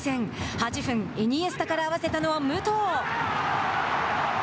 ８分、イニエスタから合わせたのは武藤。